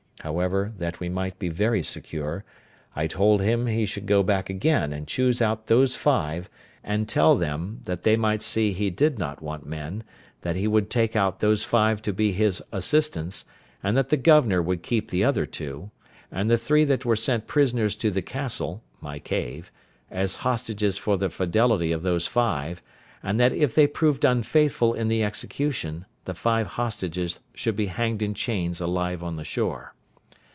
However, that we might be very secure, I told him he should go back again and choose out those five, and tell them, that they might see he did not want men, that he would take out those five to be his assistants, and that the governor would keep the other two, and the three that were sent prisoners to the castle (my cave), as hostages for the fidelity of those five; and that if they proved unfaithful in the execution, the five hostages should be hanged in chains alive on the shore.